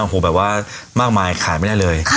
โอ้โหแบบว่ามากมายขายไม่ได้เลย